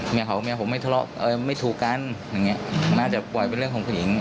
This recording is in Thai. เมียเขาว่าเมียผมไม่ทะเลาะไม่ถูกกันน่าจะปล่อยเป็นเรื่องของผู้หญิง